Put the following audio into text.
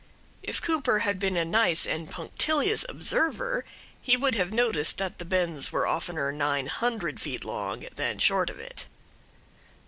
If Cooper had been a nice and punctilious observer he would have noticed that the bends were oftener nine hundred feet long than short of it.